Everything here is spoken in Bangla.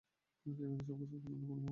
কিন্তু সবকিছুর কোন না কোন মানে আছে।